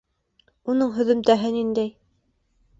Уның һөҙөмтәһе ниндәй?